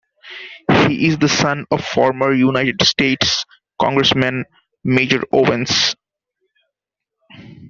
He is the son of former United States Congressman Major Owens.